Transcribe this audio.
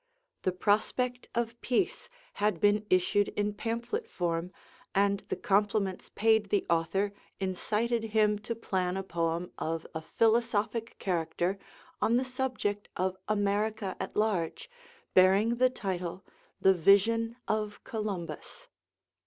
'The Prospect of Peace' had been issued in pamphlet form, and the compliments paid the author incited him to plan a poem of a philosophic character on the subject of America at large, bearing the title 'The Vision of Columbus.'